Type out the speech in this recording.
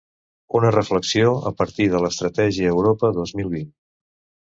Una reflexió a partir de l'estratègia Europa dos mil vint.